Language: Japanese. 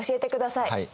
はい。